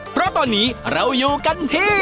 เพราะตอนนี้เราอยู่กันที่